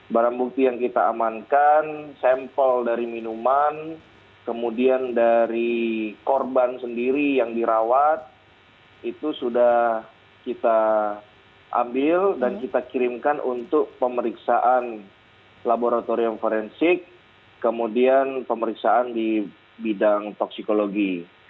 barang bukti yang kita amankan sampel dari minuman kemudian dari korban sendiri yang dirawat itu sudah kita ambil dan kita kirimkan untuk pemeriksaan laboratorium forensik kemudian pemeriksaan di bidang toksikologi